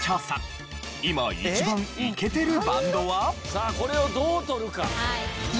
さあこれをどう取るか。